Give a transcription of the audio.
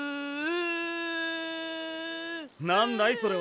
なんだいそれは。